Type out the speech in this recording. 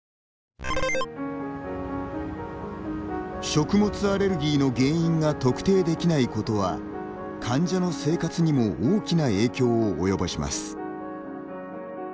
食物アレルギーの原因が特定できないことは患者の生活にも大きな影響を及ぼします。